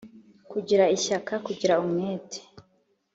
kugira ishyaka: kugira umwete,